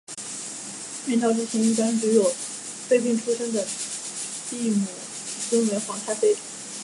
阮朝之前一般只有妃嫔出身的帝母尊为皇太妃。